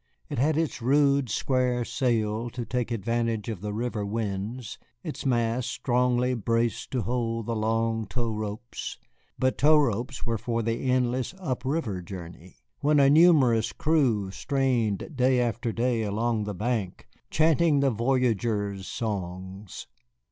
It had its rude square sail to take advantage of the river winds, its mast strongly braced to hold the long tow ropes. But tow ropes were for the endless up river journey, when a numerous crew strained day after day along the bank, chanting the voyageurs' songs.